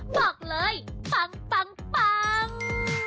บอกเลยปังปังปัง